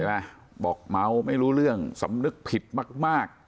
ใช่ไหมบอกเมาไม่รู้เรื่องสำนึกผิดมากมาก